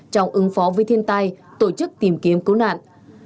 trong ứng phó với thiên tai tổ chức tìm kiếm cứu nạn